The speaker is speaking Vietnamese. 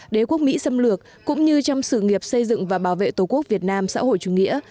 đế quốc mỹ xâm lược cũng như trong sự nghiệp xây dựng và bảo vệ tổ quốc việt nam xã hội chủ nghĩa